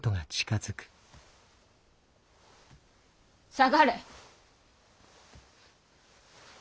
下がれ。